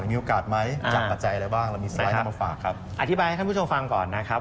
มีโอกาสไหมจากปัจจัยอะไรบ้างเรามีสไลด์นำมาฝากครับอธิบายให้ท่านผู้ชมฟังก่อนนะครับ